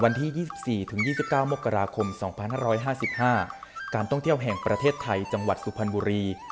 วันที่๒๔ถึง๒๙มกราคม๒๕๕๕การท่องเที่ยวแห่งประเทศไทยจังหวัดสุพรรณบุรี